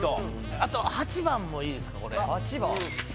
あと８番もいいですか。